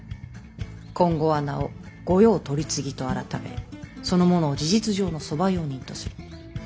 今後は名を「御用取次」と改めその者を事実上の側用人とする。